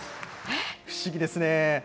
不思議ですね。